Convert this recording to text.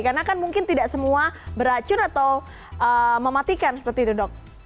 karena kan mungkin tidak semua beracun atau mematikan seperti itu dok